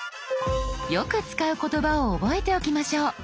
よく使う言葉を覚えておきましょう。